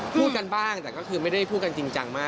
พูดกันบ้างแต่ก็คือไม่ได้พูดกันจริงจังมาก